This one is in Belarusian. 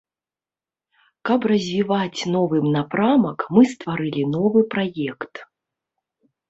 Каб развіваць новы напрамак, мы стварылі новы праект.